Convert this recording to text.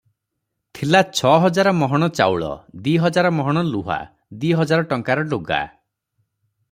ଥିଲା ଛ ହଜାର ମହଣ ଚାଉଳ, ଦି ହଜାର ମହଣ ଲୁହା, ଦି ହଜାର ଟଙ୍କାର ଲୁଗା ।